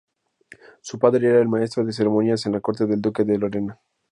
Su padre era el maestro de ceremonias en la corte del duque de Lorena.